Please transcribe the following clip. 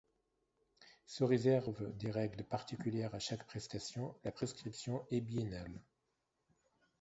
Sous réserve des règles particulières à chaque prestation, la prescription est biennale.